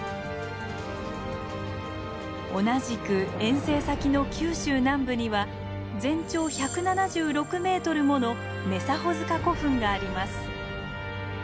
同じく遠征先の九州南部には全長１７６ｍもの女狭穂古墳があります。